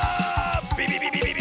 ビビビビ！